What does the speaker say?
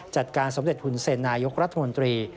จัดการสมเด็จหุ่นเซนนายกรัฐมนตรี